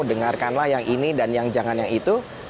dengarkanlah yang ini dan yang jangan yang itu